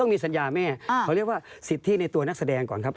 เขาเรียกว่าสิทธิในตัวนักแสดงก่อนครับ